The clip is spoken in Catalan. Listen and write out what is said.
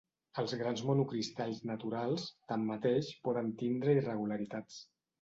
Els grans monocristalls naturals, tanmateix, poden tindre irregularitats.